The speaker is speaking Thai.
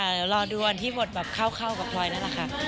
เดี๋ยวรอดูวันที่บทแบบเข้ากับพลอยนั่นแหละค่ะ